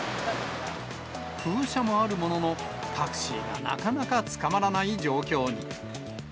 空車もあるものの、タクシーがなかなかつかまらない状況に。